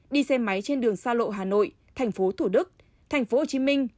đi xe máy trên đường xa lộ hà nội thành phố thủ đức thành phố hồ chí minh